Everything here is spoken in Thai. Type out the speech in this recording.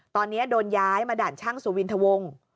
ตอนนี้โดนย้ายมาด่านช่างสุวินทะวง